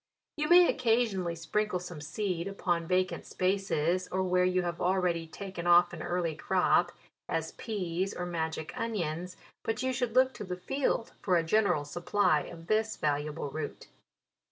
You may occasionally sprinkle some seed upon vacant spaces, or where you have already taken off an early crop, as peas, or magic onions ; but you should look to the field for a general sup ply of this valuable root.